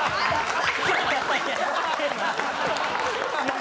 何？